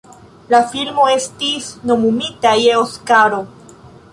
La filmo estis nomumita je Oskaro.